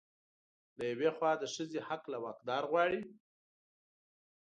له يوې خوا د ښځې حق له واکدار غواړي